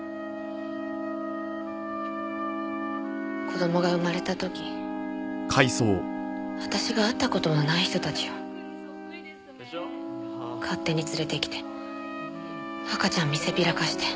子供が産まれた時私が会った事もない人たちを勝手に連れてきて赤ちゃん見せびらかして。